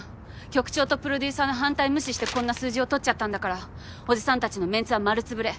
局長とプロデューサーの反対無視してこんな数字を取っちゃったんだからおじさんたちのメンツは丸潰れ。